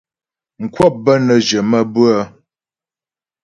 Mkwəp bə́ nə́ jyə̀ maə́bʉə́'ə.